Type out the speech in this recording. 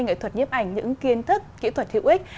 nghệ thuật nhiếp ảnh những kiến thức kỹ thuật hữu ích